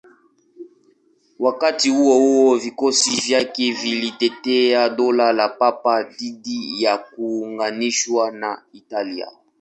Wakati huo huo, vikosi vyake vilitetea Dola la Papa dhidi ya kuunganishwa na Italia.